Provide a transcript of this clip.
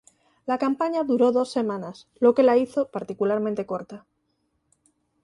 La campaña duró dos semanas lo que la hizo particularmente corta.